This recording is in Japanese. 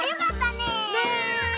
ねえ。